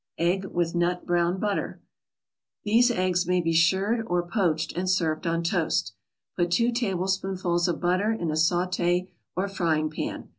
EGGS WITH NUT BROWN BUTTER These eggs may be shirred or poached and served on toast. Put two tablespoonfuls of butter in a saute or frying pan.